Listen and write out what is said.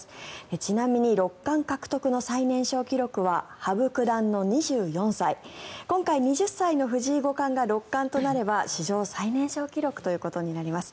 ちなみに六冠獲得の最年少記録は羽生九段の２４歳今回、２０歳の藤井五冠が六冠となれば史上最年少記録となります。